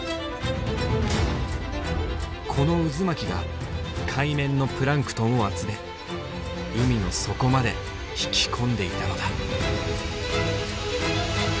この渦巻きが海面のプランクトンを集め海の底まで引き込んでいたのだ。